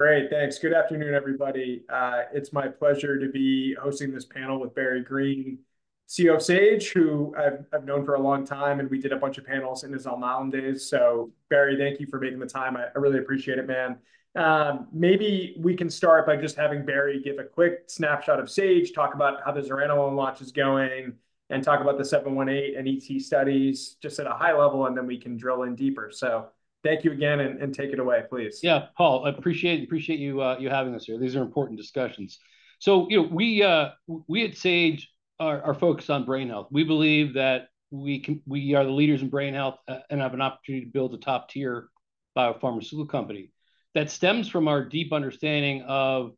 Great, thanks. Good afternoon, everybody. It's my pleasure to be hosting this panel with Barry Greene, CEO of Sage, who I've known for a long time, and we did a bunch of panels in his Alnylam days. So, Barry, thank you for making the time. I really appreciate it, man. Maybe we can start by just having Barry give a quick snapshot of Sage, talk about how the zuranolone launch is going, and talk about the 718 and ET studies just at a high level, and then we can drill in deeper. So thank you again, and take it away, please. Yeah, Paul, I appreciate you having us here. These are important discussions. So, you know, we at Sage are focused on brain health. We believe that we are the leaders in brain health, and have an opportunity to build a top-tier biopharmaceutical company. That stems from our deep understanding of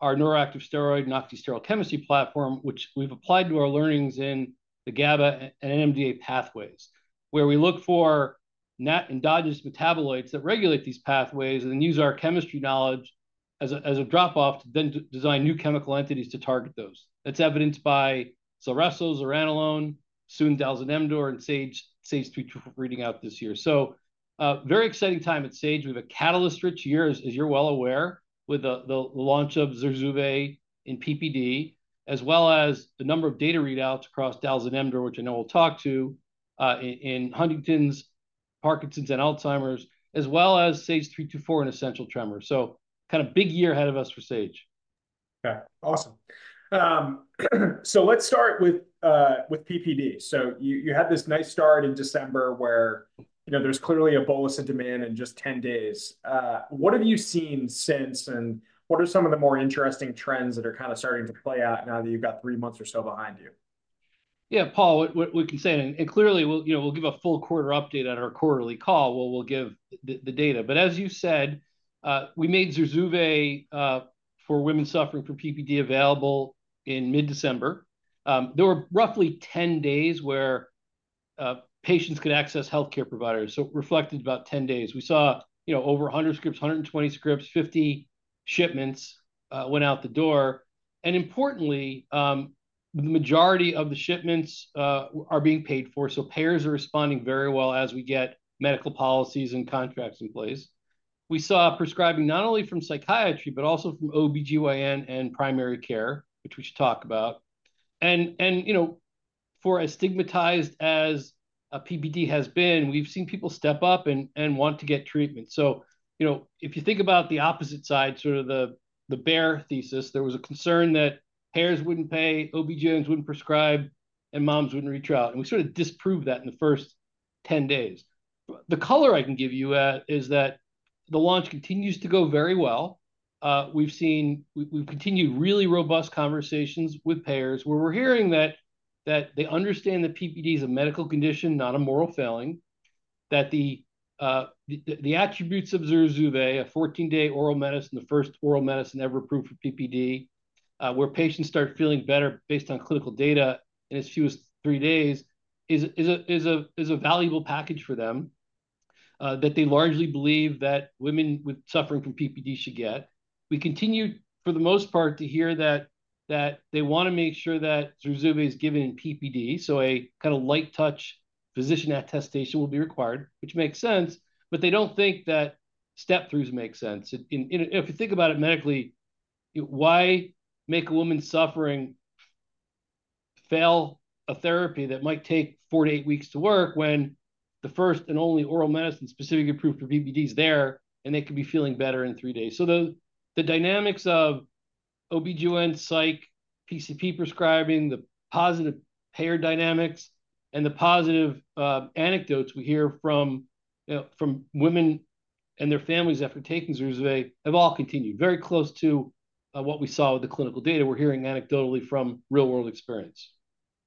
our neuroactive steroid and oxysterol chemistry platform, which we've applied to our learnings in the GABA and NMDA pathways, where we look for natural endogenous metabolites that regulate these pathways and then use our chemistry knowledge as a drop-off to then design new chemical entities to target those. That's evidenced by Zulresso, zuranolone, dalzanemdor, and SAGE-324 reading out this year. So, very exciting time at Sage. We have a catalyst-rich year, as you're well aware, with the launch of Zurzuvae in PPD, as well as the number of data readouts across dalzanemdor, which I know we'll talk to, in Huntington's, Parkinson's, and Alzheimer's, as well as SAGE-324 in essential tremor. So kind of big year ahead of us for Sage. Okay, awesome. So let's start with PPD. You had this nice start in December where, you know, there's clearly a bolus of demand in just 10 days. What have you seen since, and what are some of the more interesting trends that are kind of starting to play out now that you've got three months or so behind you? Yeah, Paul, we can say it. And clearly we'll, you know, we'll give a full quarter update at our quarterly call. We'll give the data. But as you said, we made Zurzuvae for women suffering from PPD available in mid-December. There were roughly 10 days where patients could access healthcare providers. So reflected about 10 days, we saw, you know, over 100 scripts, 120 scripts, 50 shipments went out the door. And importantly, the majority of the shipments are being paid for. So payers are responding very well as we get medical policies and contracts in place. We saw prescribing not only from psychiatry but also from OB/GYN and primary care, which we should talk about. And, you know, for as stigmatized as PPD has been, we've seen people step up and want to get treatment. So, you know, if you think about the opposite side, sort of the bear thesis, there was a concern that payers wouldn't pay, OB/GYNs wouldn't prescribe, and moms wouldn't reach out. We sort of disproved that in the first 10 days. The color I can give you is that the launch continues to go very well. We've continued really robust conversations with payers where we're hearing that they understand that PPD is a medical condition, not a moral failing, that the attributes of Zurzuvae, a 14-day oral medicine, the first oral medicine ever approved for PPD, where patients start feeling better based on clinical data in as few as three days, is a valuable package for them, that they largely believe that women suffering from PPD should get. We continue, for the most part, to hear that they want to make sure that Zurzuvae is given in PPD. So a kind of light touch physician attestation will be required, which makes sense, but they don't think that step-throughs make sense. In if you think about it medically, you know, why make a woman suffering fail a therapy that might take 4-8 weeks to work when the first and only oral medicine specifically approved for PPD is there and they could be feeling better in 3 days? So the dynamics of OB/GYN, psych, PCP prescribing, the positive payer dynamics, and the positive anecdotes we hear from, you know, from women and their families after taking Zurzuvae have all continued very close to what we saw with the clinical data we're hearing anecdotally from real-world experience.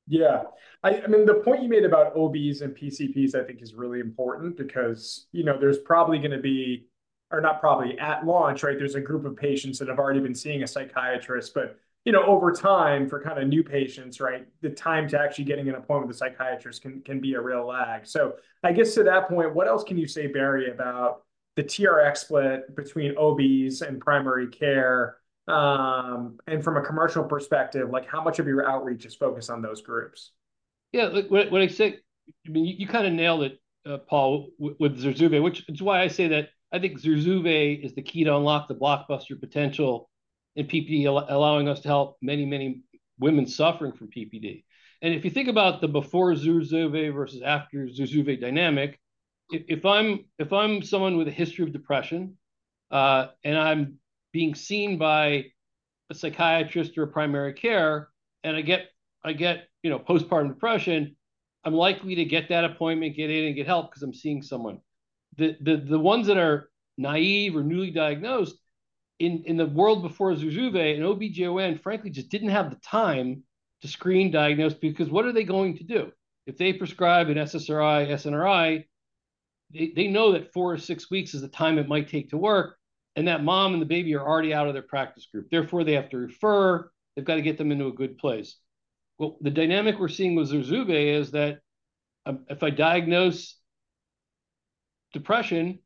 Yeah, I mean, the point you made about OBs and PCPs, I think, is really important because, you know, there's probably going to be—or not probably—at launch, right, there's a group of patients that have already been seeing a psychiatrist, but, you know, over time for kind of new patients, right, the time to actually getting an appointment with a psychiatrist can be a real lag. So I guess to that point, what else can you say, Barry, about the TRx split between OBs and primary care, and from a commercial perspective, like how much of your outreach is focused on those groups? Yeah, look, what I said, I mean, you kind of nailed it, Paul, with Zurzuvae, which is why I say that I think Zurzuvae is the key to unlock the blockbuster potential in PPD, allowing us to help many, many women suffering from PPD. If you think about the before Zurzuvae versus after Zurzuvae dynamic, if I'm someone with a history of depression, and I'm being seen by a psychiatrist or a primary care and I get, you know, postpartum depression, I'm likely to get that appointment, get in and get help because I'm seeing someone. The ones that are naive or newly diagnosed in the world before Zurzuvae, and OB/GYN, frankly, just didn't have the time to screen diagnose because what are they going to do? If they prescribe an SSRI, SNRI, they know that four or six weeks is the time it might take to work, and that mom and the baby are already out of their practice group. Therefore, they have to refer. They've got to get them into a good place. Well, the dynamic we're seeing with Zurzuvae is that if I diagnose depression,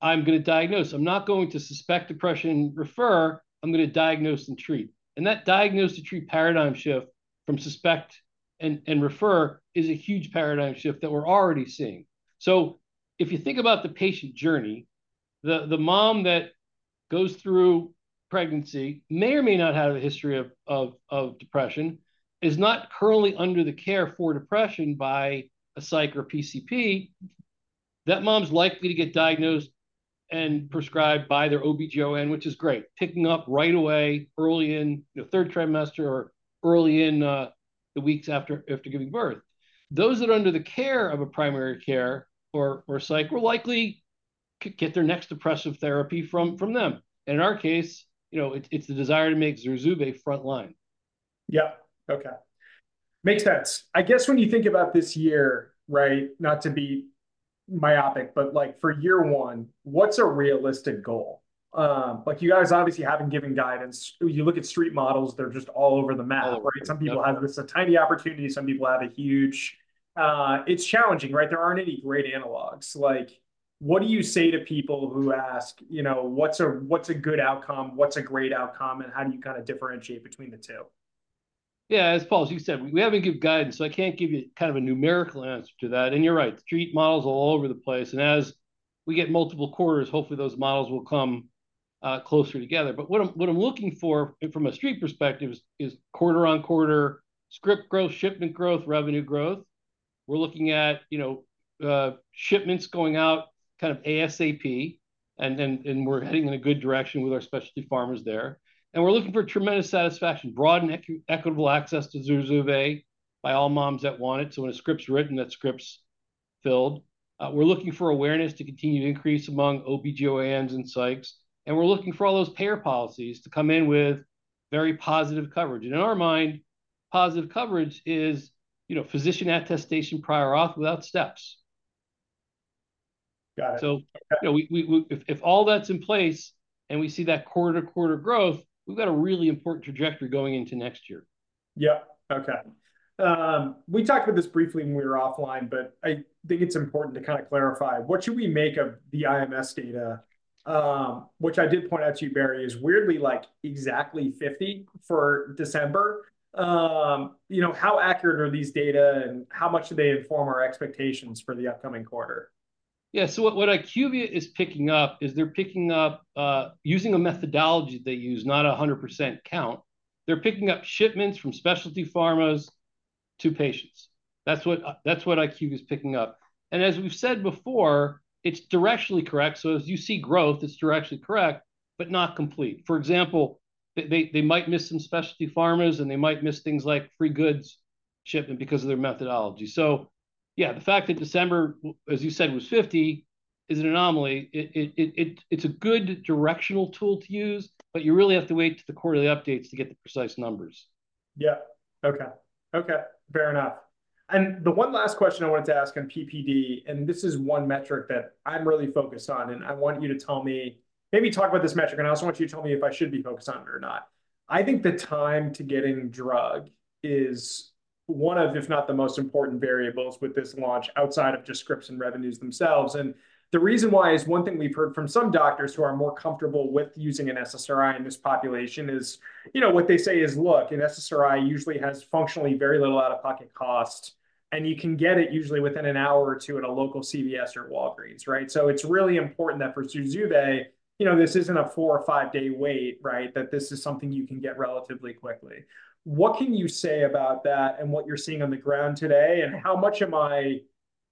I'm going to diagnose. I'm not going to suspect depression and refer. I'm going to diagnose and treat. And that diagnose-to-treat paradigm shift from suspect and refer is a huge paradigm shift that we're already seeing. So if you think about the patient journey, the mom that goes through pregnancy may or may not have a history of depression, is not currently under the care for depression by a psych or PCP, that mom's likely to get diagnosed and prescribed by their OB/GYN, which is great, picking up right away early in, you know, third trimester or early in the weeks after giving birth. Those that are under the care of a primary care or psych will likely get their next depressive therapy from them. And in our case, you know, it's the desire to make Zurzuvae frontline. Yeah, okay. Makes sense. I guess when you think about this year, right, not to be myopic, but like for year one, what's a realistic goal? Like you guys obviously have been giving guidance. You look at street models, they're just all over the map, right? Some people have this a tiny opportunity, some people have a huge, it's challenging, right? There aren't any great analogs. Like what do you say to people who ask, you know, what's a, what's a good outcome, what's a great outcome, and how do you kind of differentiate between the two? Yeah, as Paul, as you said, we haven't given guidance, so I can't give you kind of a numerical answer to that. And you're right, street models are all over the place. And as we get multiple quarters, hopefully those models will come closer together. But what I'm looking for from a street perspective is quarter on quarter script growth, shipment growth, revenue growth. We're looking at, you know, shipments going out kind of ASAP, and we're heading in a good direction with our specialty pharmacies there. And we're looking for tremendous satisfaction, broadened equitable access to Zurzuvae by all moms that want it. So when a script's written, that script's filled. We're looking for awareness to continue to increase among OB/GYNs and psychs. And we're looking for all those payer policies to come in with very positive coverage. In our mind, positive coverage is, you know, physician attestation prior auth without steps. Got it. You know, if all that's in place and we see that quarter-to-quarter growth, we've got a really important trajectory going into next year. Yeah, okay. We talked about this briefly when we were offline, but I think it's important to kind of clarify. What should we make of the IMS data? Which I did point out to you, Barry, is weirdly like exactly 50 for December. You know, how accurate are these data and how much do they inform our expectations for the upcoming quarter? Yeah, so what IQVIA is picking up is they're picking up, using a methodology they use, not a 100% count. They're picking up shipments from specialty pharmas to patients. That's what IQVIA is picking up. And as we've said before, it's directionally correct. So as you see growth, it's directionally correct but not complete. For example, they might miss some specialty pharmas and they might miss things like free goods shipment because of their methodology. So yeah, the fact that December, as you said, was 50 is an anomaly. It's a good directional tool to use, but you really have to wait to the quarterly updates to get the precise numbers. Yeah, okay, okay. Fair enough. And the one last question I wanted to ask on PPD, and this is one metric that I'm really focused on, and I want you to tell me maybe talk about this metric, and I also want you to tell me if I should be focused on it or not. I think the time to getting drug is one of, if not the most important variables with this launch outside of just scripts and revenues themselves. And the reason why is one thing we've heard from some doctors who are more comfortable with using an SSRI in this population is, you know, what they say is, look, an SSRI usually has functionally very little out-of-pocket cost, and you can get it usually within an hour or two at a local CVS or Walgreens, right? So it's really important that for Zurzuvae, you know, this isn't a 4 or 5-day wait, right, that this is something you can get relatively quickly. What can you say about that and what you're seeing on the ground today, and how much am I,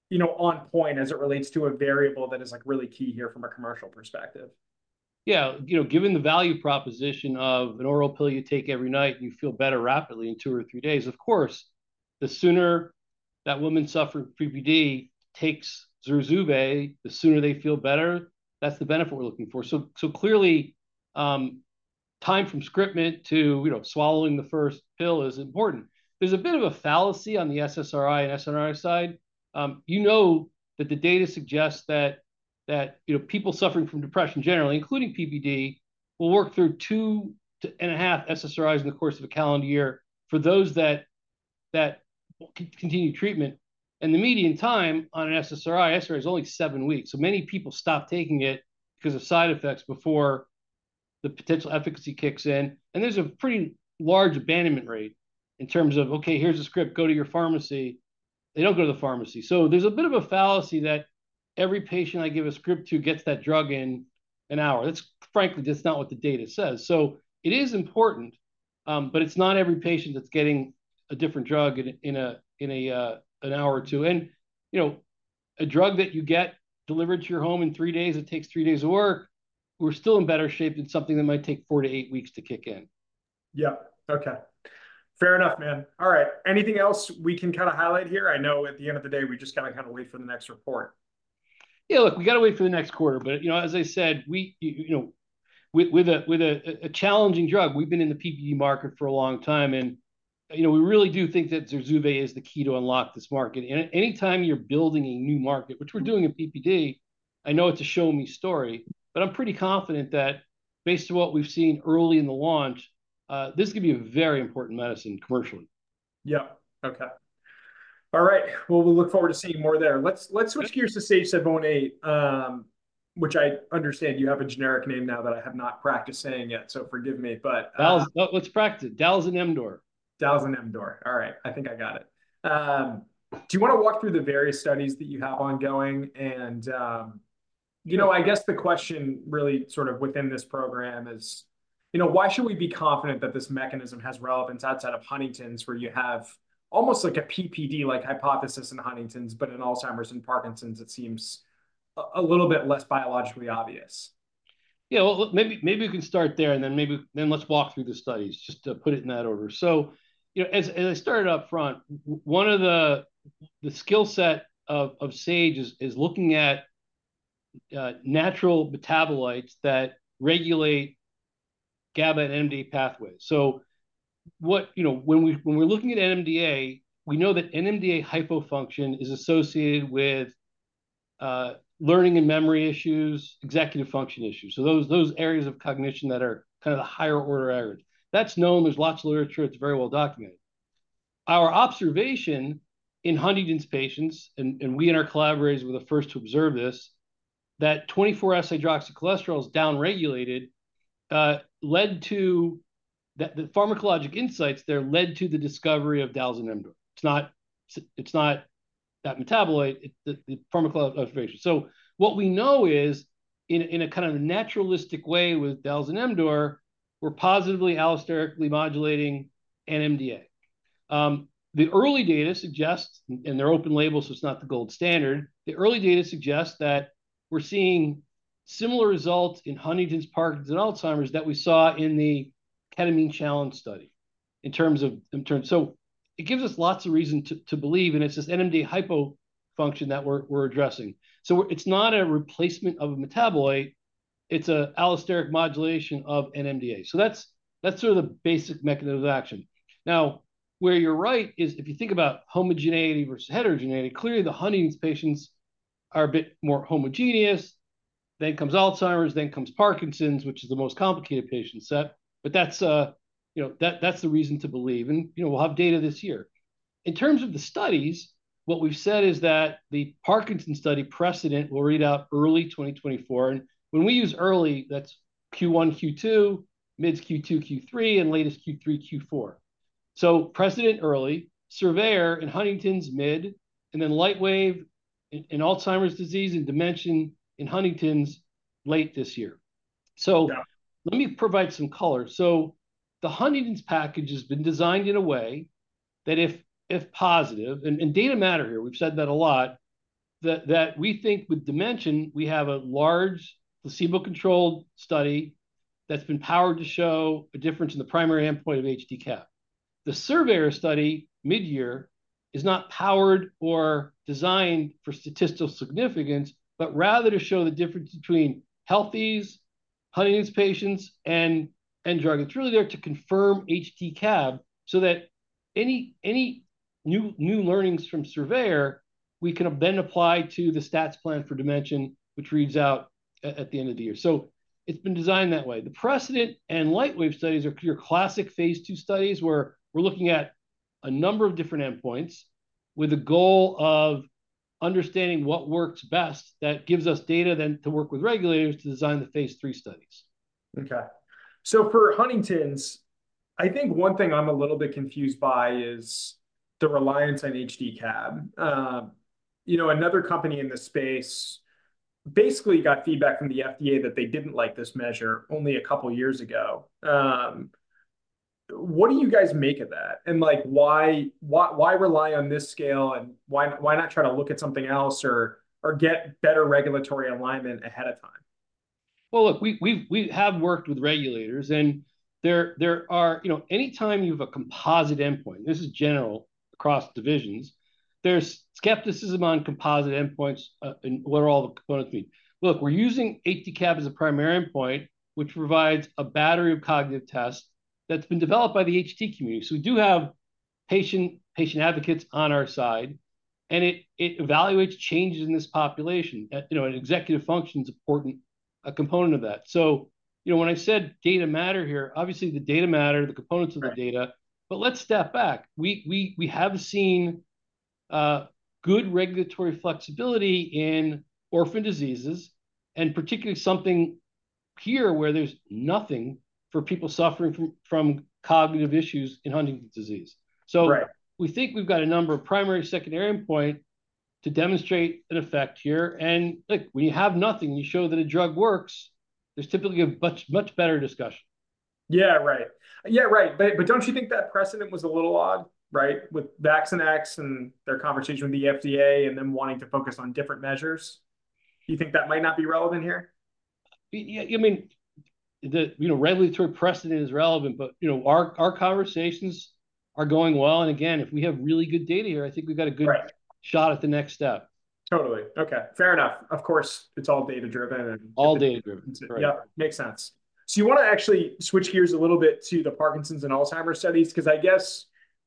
you know, on point as it relates to a variable that is like really key here from a commercial perspective? Yeah, you know, given the value proposition of an oral pill you take every night and you feel better rapidly in two or three days, of course, the sooner that woman suffering from PPD takes Zurzuvae, the sooner they feel better. That's the benefit we're looking for. So, so clearly, time from scriptment to, you know, swallowing the first pill is important. There's a bit of a fallacy on the SSRI and SNRI side. You know that the data suggests that, that, you know, people suffering from depression generally, including PPD, will work through two to and a half SSRIs in the course of a calendar year for those that, that continue treatment. And the median time on an SSRI, SSRI is only seven weeks. So many people stop taking it because of side effects before the potential efficacy kicks in. There's a pretty large abandonment rate in terms of, okay, here's a script, go to your pharmacy. They don't go to the pharmacy. So there's a bit of a fallacy that every patient I give a script to gets that drug in an hour. That's, frankly, just not what the data says. So it is important, but it's not every patient that's getting a different drug in an hour or two. And, you know, a drug that you get delivered to your home in three days, it takes three days to work. We're still in better shape than something that might take four to eight weeks to kick in. Yeah, okay. Fair enough, man. All right. Anything else we can kind of highlight here? I know at the end of the day, we just got to kind of wait for the next report. Yeah, look, we got to wait for the next quarter. But, you know, as I said, we, you know, with a challenging drug, we've been in the PPD market for a long time. And, you know, we really do think that Zurzuvae is the key to unlock this market. And anytime you're building a new market, which we're doing in PPD, I know it's a show-me story, but I'm pretty confident that based on what we've seen early in the launch, this is going to be a very important medicine commercially. Yeah, okay. All right. Well, we look forward to seeing more there. Let's switch gears to SAGE-718, which I understand you have a generic name now that I have not practiced saying yet, so forgive me, but. Dalzanemdor, let's practice it. Dalzanemdor. Dalzanemdor. All right. I think I got it. Do you want to walk through the various studies that you have ongoing? And, you know, I guess the question really sort of within this program is, you know, why should we be confident that this mechanism has relevance outside of Huntington's where you have almost like a PPD-like hypothesis in Huntington's, but in Alzheimer's and Parkinson's, it seems a little bit less biologically obvious? Yeah, well, maybe, maybe we can start there and then maybe then let's walk through the studies just to put it in that order. So, you know, as, as I started upfront, one of the, the skill set of, of Sage is, is looking at, natural metabolites that regulate GABA and NMDA pathways. So what, you know, when we, when we're looking at NMDA, we know that NMDA hypofunction is associated with, learning and memory issues, executive function issues. So those, those areas of cognition that are kind of the higher order areas. That's known. There's lots of literature. It's very well documented. Our observation in Huntington's patients, and, and we and our collaborators were the first to observe this, that 24(S)-hydroxycholesterol is downregulated, led to that the pharmacologic insights there led to the discovery of dalzanemdor. It's not, it's not that metabolite. It's the pharmacological observation. So what we know is in a kind of naturalistic way with dalzanemdor, we're positively allosterically modulating NMDA. The early data suggests, and they're open label, so it's not the gold standard, the early data suggests that we're seeing similar results in Huntington's, Parkinson's, and Alzheimer's that we saw in the ketamine challenge study in terms so it gives us lots of reason to believe. And it's this NMDA hypofunction that we're addressing. So it's not a replacement of a metabolite. It's an allosteric modulation of NMDA. So that's sort of the basic mechanism of action. Now, where you're right is if you think about homogeneity versus heterogeneity, clearly the Huntington's patients are a bit more homogeneous. Then comes Alzheimer's, then comes Parkinson's, which is the most complicated patient set. But that's, you know, that's the reason to believe. You know, we'll have data this year. In terms of the studies, what we've said is that the Parkinson's study PRECEDENT will read out early 2024. When we use early, that's Q1, Q2, mid Q2, Q3, and latest Q3, Q4. PRECEDENT early, SURVEYOR in Huntington's mid, and then LIGHTWAVE in Alzheimer's disease and DIMENSION in Huntington's late this year. Let me provide some color. The Huntington's package has been designed in a way that if, if positive and, and data matter here, we've said that a lot, that, that we think with DIMENSION, we have a large placebo-controlled study that's been powered to show a difference in the primary endpoint of HD-CAB. The SURVEYOR study midyear is not powered or designed for statistical significance, but rather to show the difference between healthy Huntington's patients and, and drug. It's really there to confirm HD-CAB so that any new learnings from SURVEYOR, we can then apply to the stats plan for DIMENSION, which reads out at the end of the year. So it's been designed that way. The PRECEDENT and LIGHTWAVE studies are your classic phase 2 studies where we're looking at a number of different endpoints with a goal of understanding what works best that gives us data then to work with regulators to design the phase 3 studies. Okay. For Huntington's, I think one thing I'm a little bit confused by is the reliance on HD-CAB. You know, another company in this space basically got feedback from the FDA that they didn't like this measure only a couple of years ago. What do you guys make of that? Like why, why, why rely on this scale and why, why not try to look at something else or, or get better regulatory alignment ahead of time? Well, look, we have worked with regulators and there are, you know, anytime you have a composite endpoint, this is general across divisions, there's skepticism on composite endpoints and what are all the components we need. Look, we're using HD-CAB as a primary endpoint, which provides a battery of cognitive tests that's been developed by the HD community. So we do have patient advocates on our side, and it evaluates changes in this population. You know, an executive function is an important component of that. So, you know, when I said data matter here, obviously the data matter, the components of the data. But let's step back. We have seen good regulatory flexibility in orphan diseases and particularly something here where there's nothing for people suffering from cognitive issues in Huntington's disease. We think we've got a number of primary and secondary endpoints to demonstrate an effect here. Look, when you have nothing and you show that a drug works, there's typically a much, much better discussion. Yeah, right. Yeah, right. But don't you think that precedent was a little odd, right, with Vaccinex and their conversation with the FDA and them wanting to focus on different measures? Do you think that might not be relevant here? Yeah, I mean, the you know, regulatory precedent is relevant, but you know, our conversations are going well. And again, if we have really good data here, I think we've got a good shot at the next step. Totally. Okay. Fair enough. Of course, it's all data-driven and. All data-driven. Yep. Makes sense. So you want to actually switch gears a little bit to the Parkinson's and Alzheimer's studies? Because I guess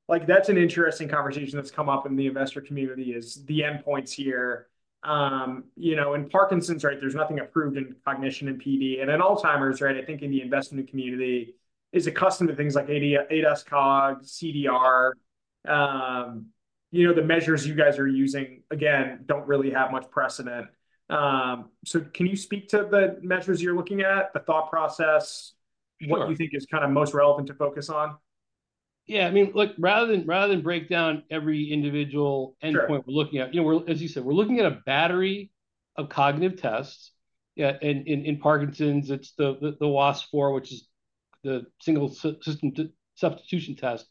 like that's an interesting conversation that's come up in the investor community is the endpoints here. You know, in Parkinson's, right, there's nothing approved in cognition and PD. And in Alzheimer's, right, I think in the investment community is accustomed to things like ADAS-Cog, CDR. You know, the measures you guys are using, again, don't really have much precedent. So can you speak to the measures you're looking at, the thought process, what you think is kind of most relevant to focus on? Yeah, I mean, look, rather than break down every individual endpoint we're looking at, you know, as you said, we're looking at a battery of cognitive tests. Yeah. And in Parkinson's, it's the WAIS-IV, which is the Digit Symbol Substitution Test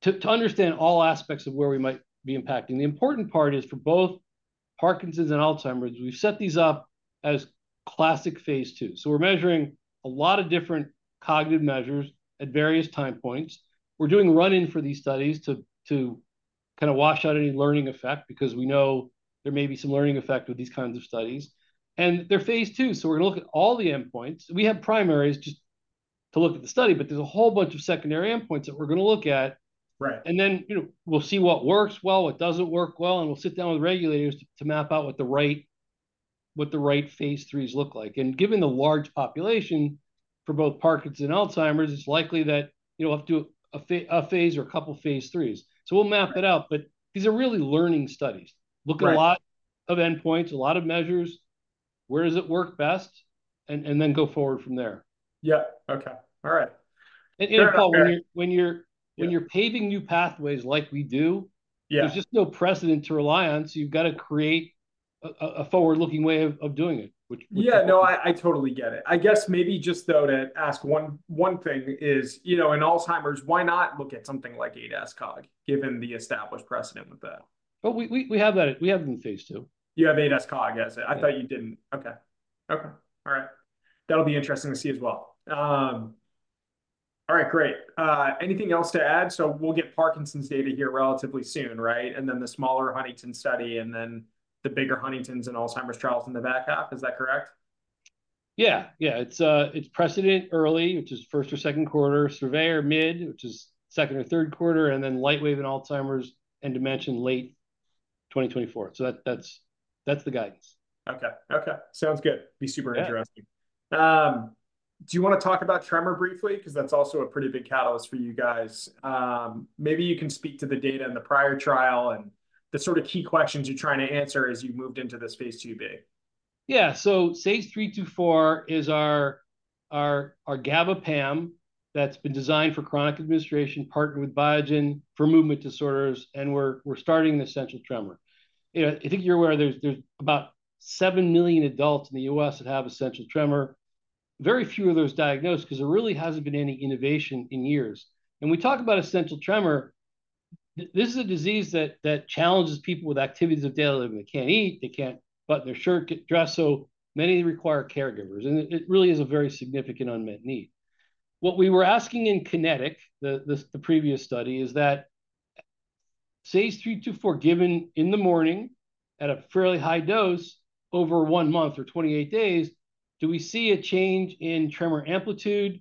to understand all aspects of where we might be impacting. The important part is for both Parkinson's and Alzheimer's, we've set these up as classic phase 2. So we're measuring a lot of different cognitive measures at various time points. We're doing run-in for these studies to kind of wash out any learning effect because we know there may be some learning effect with these kinds of studies. And they're phase 2. So we're going to look at all the endpoints. We have primaries just to look at the study, but there's a whole bunch of secondary endpoints that we're going to look at. Right. And then, you know, we'll see what works well, what doesn't work well, and we'll sit down with regulators to, to map out what the right, what the right phase 3s look like. And given the large population for both Parkinson's and Alzheimer's, it's likely that, you know, we'll have to do a phase or a couple of phase 3s. So we'll map it out. But these are really learning studies. Look at a lot of endpoints, a lot of measures. Where does it work best? And, and then go forward from there. Yeah. Okay. All right. Fair enough. And Paul, when you're paving new pathways like we do, there's just no precedent to rely on. So you've got to create a forward-looking way of doing it, which. Yeah, no, I totally get it. I guess maybe just to ask one thing is, you know, in Alzheimer's, why not look at something like ADAS-Cog given the established precedent with that? Oh, we have that. We have them in phase 2. You have ADAS-Cog as it? I thought you didn't. Okay. Okay. All right. That'll be interesting to see as well. All right. Great. Anything else to add? So we'll get Parkinson's data here relatively soon, right? And then the smaller Huntington's study and then the bigger Huntington's and Alzheimer's trials in the back half. Is that correct? Yeah. Yeah. It's PRECEDENT early, which is first or second quarter, SURVEYOR mid, which is second or third quarter, and then LIGHTWAVE in Alzheimer's and dementia late 2024. So that's the guidance. Okay. Okay. Sounds good. Be super interesting. Do you want to talk about tremor briefly? Because that's also a pretty big catalyst for you guys. Maybe you can speak to the data in the prior trial and the sort of key questions you're trying to answer as you've moved into this phase 2 big. Yeah. So phase three to four is our GABApam that's been designed for chronic administration, partnered with Biogen for movement disorders, and we're starting an essential tremor. You know, I think you're aware there's about 7 million adults in the U.S. that have essential tremor. Very few of those diagnosed because there really hasn't been any innovation in years. And we talk about essential tremor. This is a disease that challenges people with activities of daily living. They can't eat. They can't button their shirt, get dressed. So many require caregivers. And it really is a very significant unmet need. What we were asking in KINETIC, the previous study is that phase three to four given in the morning at a fairly high dose over one month or 28 days, do we see a change in tremor amplitude?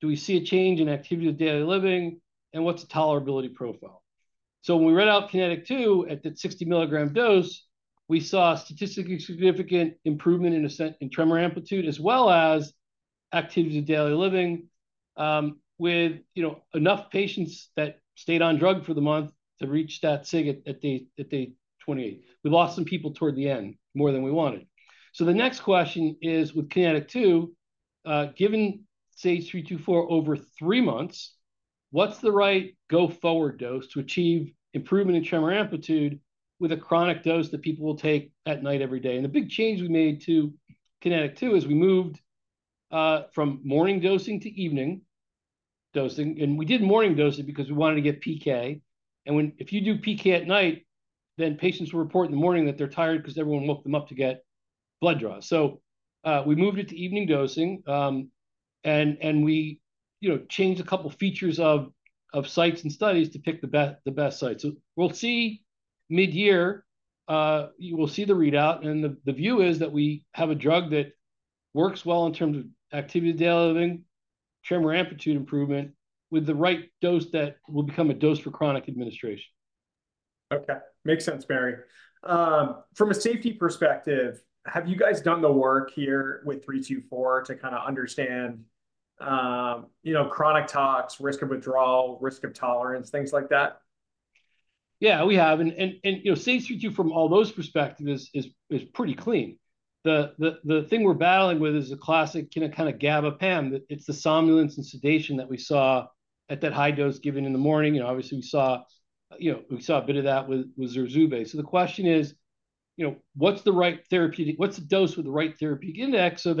Do we see a change in activity of daily living? What's the tolerability profile? So when we read out KINETIC 2 at that 60 mg dose, we saw statistically significant improvement in a sense in tremor amplitude as well as activity of daily living, with, you know, enough patients that stayed on drug for the month to reach that sig at day 28. We lost some people toward the end more than we wanted. So the next question is with KINETIC 2, given phase three-four over three months, what's the right go-forward dose to achieve improvement in tremor amplitude with a chronic dose that people will take at night every day? The big change we made to KINETIC 2 is we moved from morning dosing to evening dosing. We did morning dosing because we wanted to get PK. And when if you do PK at night, then patients will report in the morning that they're tired because everyone woke them up to get blood draws. So, we moved it to evening dosing, and we, you know, changed a couple of features of sites and studies to pick the best sites. So we'll see midyear, you will see the readout. And the view is that we have a drug that works well in terms of activity of daily living, tremor amplitude improvement with the right dose that will become a dose for chronic administration. Okay. Makes sense, Barry. From a safety perspective, have you guys done the work here with 3-4 to kind of understand, you know, chronic tox, risk of withdrawal, risk of tolerance, things like that? Yeah, we have. And, you know, phase 3 to 4 from all those perspectives is pretty clean. The thing we're battling with is the classic kind of GABA PAM. It's the somnolence and sedation that we saw at that high dose given in the morning. You know, obviously we saw, you know, we saw a bit of that with Zurzuvae. So the question is, you know, what's the right therapeutic, what's the dose with the right therapeutic index so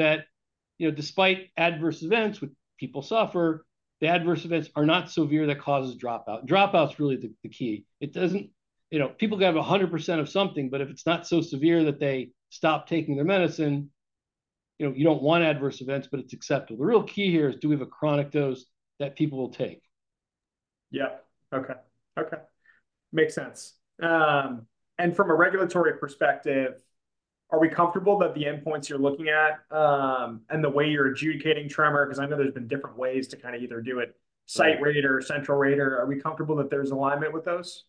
that, you know, despite adverse events with people suffer, the adverse events are not severe that causes dropout. Dropout's really the key. It doesn't, you know, people can have 100% of something, but if it's not so severe that they stop taking their medicine, you know, you don't want adverse events, but it's acceptable. The real key here is do we have a chronic dose that people will take? Yep. Okay. Okay. Makes sense. And from a regulatory perspective, are we comfortable that the endpoints you're looking at, and the way you're adjudicating tremor, because I know there's been different ways to kind of either do it site rate or central rate, are we comfortable that there's alignment with those?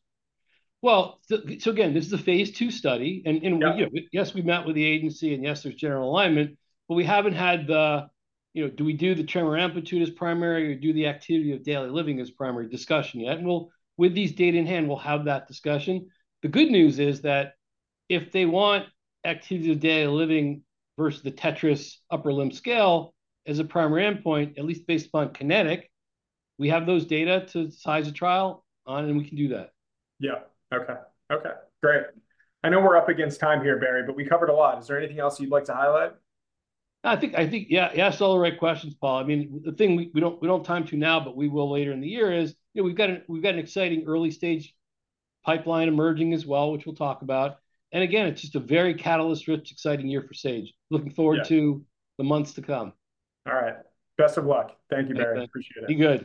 Well, so, so again, this is a phase 2 study. And, and, you know, yes, we met with the agency and yes, there's general alignment, but we haven't had the, you know, do we do the tremor amplitude as primary or do the activity of daily living as primary discussion yet? And we'll, with these data in hand, we'll have that discussion. The good news is that if they want activity of daily living versus the TETRAS upper limb scale as a primary endpoint, at least based upon KINETIC, we have those data to size a trial on and we can do that. Yeah. Okay. Okay. Great. I know we're up against time here, Barry, but we covered a lot. Is there anything else you'd like to highlight? I think, yeah, you asked all the right questions, Paul. I mean, the thing we don't have time to now, but we will later in the year is, you know, we've got an exciting early stage pipeline emerging as well, which we'll talk about. And again, it's just a very catalyst-rich, exciting year for Sage. Looking forward to the months to come. All right. Best of luck. Thank you, Barry. Appreciate it. You do.